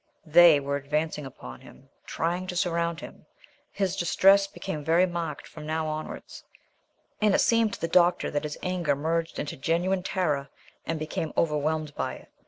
They were advancing upon him, trying to surround him. His distress became very marked from now onwards, and it seemed to the doctor that his anger merged into genuine terror and became overwhelmed by it.